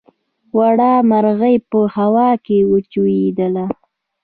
وړه مرغۍ په هوا کې وچوڼېده.